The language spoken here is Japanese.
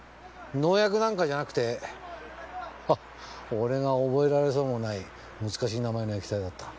農薬なんかじゃなくて俺が覚えられそうもない難しい名前の液体だった。